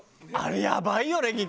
あれやばいよね